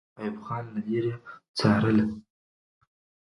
ایوب خان له لرې څارله.